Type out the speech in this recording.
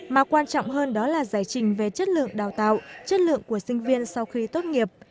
mà quan trọng hơn đó là giải trình về chất lượng đào tạo chất lượng của sinh viên sau khi tốt nghiệp